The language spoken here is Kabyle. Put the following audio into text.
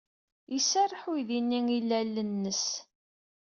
Yesraḥ uydi-nni ilalen-nnes.